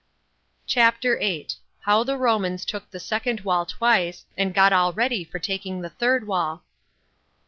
CHAPTER 8. How The Romans Took The Second Wall Twice, And Got All Ready For Taking The Third Wall.